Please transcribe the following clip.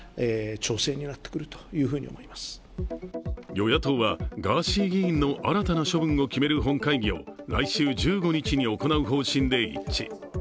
与野党はガーシー議員の新たな処分を決める本会議を来週１５日に行う方針で一致。